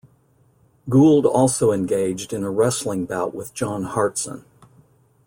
Gould also engaged in a wrestling bout with John Hartson.